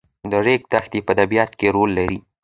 د ریګ دښتې په طبیعت کې رول لري.